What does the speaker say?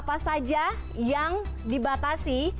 apa saja yang dibatasi